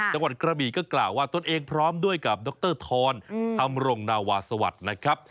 จังหวัดกระบีก็กล่าวว่าตัวเองพร้อมด้วยกับดรทอนทำรงนาวาสวัสดิ์นะครับ